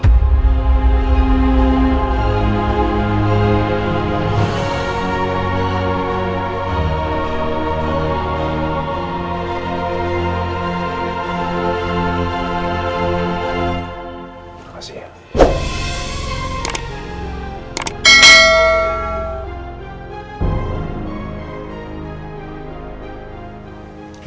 terima kasih ya